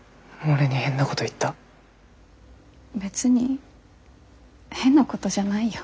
別に変なことじゃないよ。